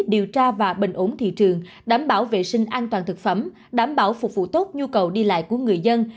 điều tra và bình ổn thị trường đảm bảo vệ sinh an toàn thực phẩm đảm bảo phục vụ tốt nhu cầu đi lại của người dân